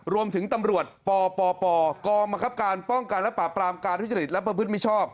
รวมถึงตำรวจปปปกรมกรับการป้องกันและปราบปรามการวิจิตรและพืชมิชอบ